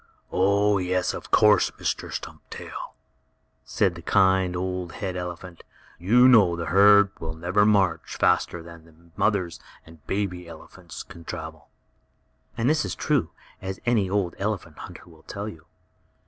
"Oh, yes, of course, Mr. Stumptail," said the kind, old head elephant. "You know the herd will never go faster than the mothers and baby elephants can travel." And this is true, as any old elephant hunter will tell you.